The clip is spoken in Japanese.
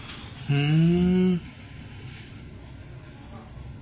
うん。